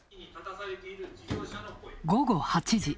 午後８時。